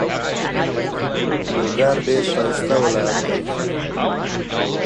Mad Lands?